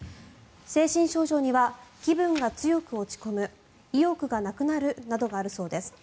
精神症状には気分が強く落ち込む意欲がなくなるなどがあるそうです。